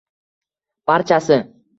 Barchasi…